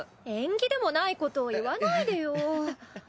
縁起でもないことを言わないでよ。